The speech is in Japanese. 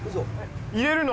入れるの？